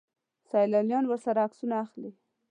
سیلانیان ورسره عکسونه اخلي.